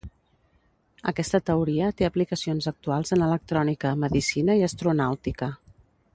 Aquesta teoria té aplicacions actuals en electrònica, medicina i astronàutica.